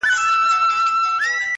د چا او چا ژوند كي خوښي راوړي،